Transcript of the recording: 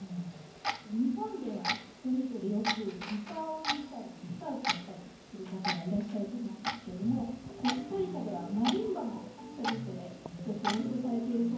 日本ではストリートでよくギターを弾いたり歌を歌ったりする方がいらっしゃると思うんですけれどもコスタリカではマリンバもストリートでよく演奏されているそうなんです。